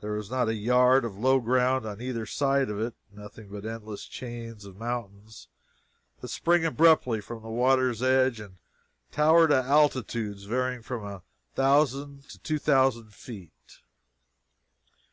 There is not a yard of low ground on either side of it nothing but endless chains of mountains that spring abruptly from the water's edge and tower to altitudes varying from a thousand to two thousand feet.